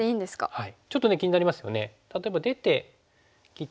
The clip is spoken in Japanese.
はい。